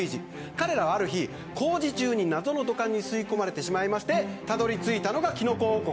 彼らはある日工事中に謎の土管に吸い込まれてたどり着いたのがキノコ王国。